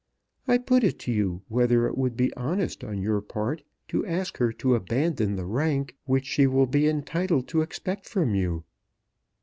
I put it to you whether it would be honest on your part to ask her to abandon the rank which she will be entitled to expect from you.